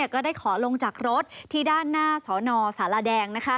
ก็ได้ขอลงจากรถที่ด้านหน้าสนสารแดง